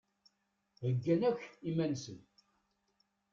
Heggan akk iman-nsen.